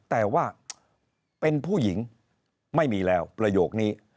แต่ว่าเป็นผู้หญิงไม่มีแล้วประโยคนี้